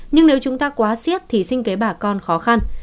nhưng nếu chúng ta quá siết thì sinh kế bà con khó khăn